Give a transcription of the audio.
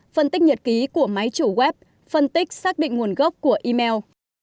phân tích nhật ký của máy chủ web phân tích xác định nguồn gốc của email